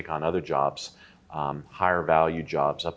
menambahkan jaringan keuntungan sejujurnya